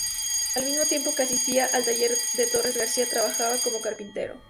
Al mismo tiempo que asistía al taller de Torres García trabajaba como carpintero.